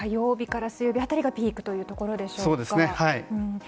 来週の火曜日から水曜日辺りがピークといったところでしょうか。